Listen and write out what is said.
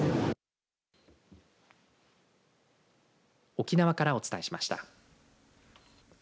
沖縄からお伝えしました。